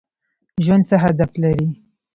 ژوند څه هدف لري؟